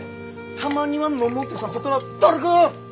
たまには飲もうって誘ったのは誰か！